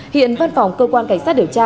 hiện văn phòng cơ quan cảnh sát điều tra